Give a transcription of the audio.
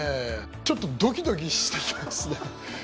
ちょっとドキドキして来ますね。